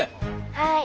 はい。